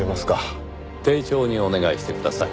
丁重にお願いしてください。